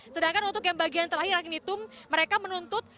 sedangkan untuk yang bagian terakhir yang ditum mereka menuntut